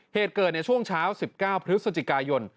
เหตุเกิดในช่วงเช้า๑๙พฤศจิกายน